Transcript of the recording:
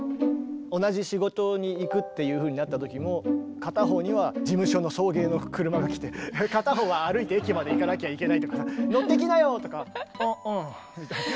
同じ仕事に行くっていうふうになった時も片方には事務所の送迎の車が来て片方は歩いて駅まで行かなきゃいけないとか「乗ってきなよ！」とか「あうん」みたい。